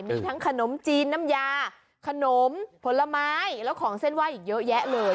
มีทั้งขนมจีนน้ำยาขนมผลไม้แล้วของเส้นไหว้อีกเยอะแยะเลย